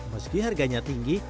meski harganya tinggi